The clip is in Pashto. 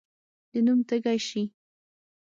د نوم تږی شي.